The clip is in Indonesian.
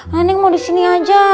nenek mau disini aja